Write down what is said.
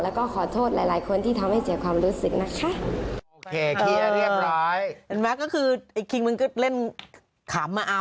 แล้วก็ขอโทษหลายหลายคนที่ทำให้เสียความรู้สึกนะคะ